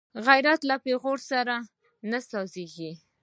غیرت له پېغور سره نه سازېږي